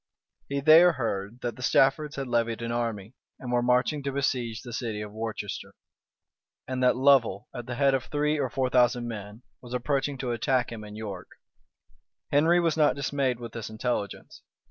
He there heard that the Staffords had levied an army, and were marching to besiege the city of Worcester; and that Lovel, at the head of three or four thousand men, was approaching to attack him in York. Henry was not dismayed with this intelligence.